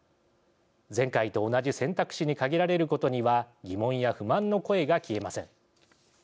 前回と同じ選択肢に限られることには疑問や不満の声が消えません。